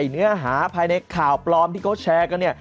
เนื้อหาภายในข่าวปลอมที่เขาแชร์กันเนี่ย